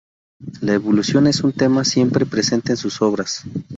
La evolución es un tema siempre presente en sus obras.